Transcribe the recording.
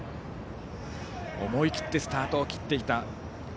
思い切ってスタートを切っていた。